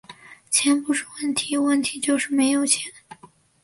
钱不是问题，问题就是没有钱